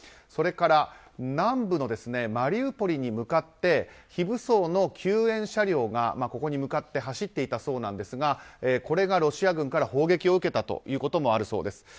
それから南部のマリウポリに向かって非武装の救援車両がここに向かって走っていたそうですがこれがロシア軍から砲撃を受けたということもあるそうです。